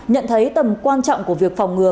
nhận thấy tầm quan trọng của việc phòng ngừa